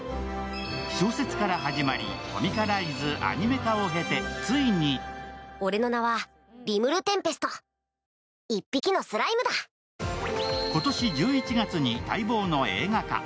小説から始まり、コミカライズ、アニメ化を経て、ついに今年１１月に待望の映画化。